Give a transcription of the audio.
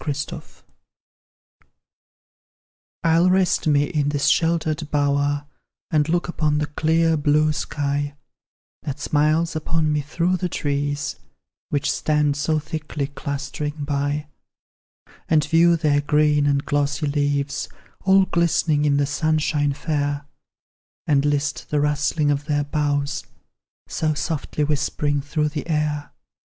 THE ARBOUR. I'll rest me in this sheltered bower, And look upon the clear blue sky That smiles upon me through the trees, Which stand so thick clustering by; And view their green and glossy leaves, All glistening in the sunshine fair; And list the rustling of their boughs, So softly whispering through the air.